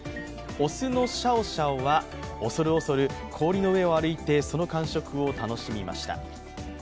雄のシャオシャオは恐る恐る氷の上を歩いてその感触を楽しみました。